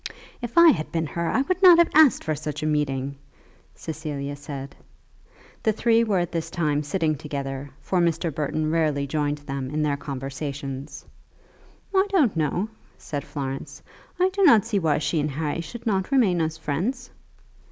"If I had been her I would not have asked for such a meeting," Cecilia said. The three were at this time sitting together, for Mr. Burton rarely joined them in their conversation. "I don't know," said Florence. "I do not see why she and Harry should not remain as friends."